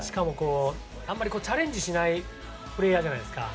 あまりチャレンジしないプレーヤーじゃないですか。